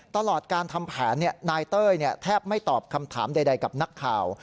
ตลอดการทำแผนนายเต้ยแทบไม่ตอบคำถามใดกับนักข่าว